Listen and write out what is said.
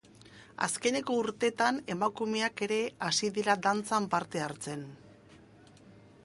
Azkeneko urtetan emakumeak ere hasi dira dantzan parte hartzen.